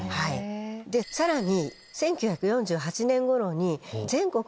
さらに。